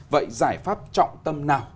vậy giải pháp trọng tâm nào